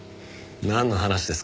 なんの話ですか。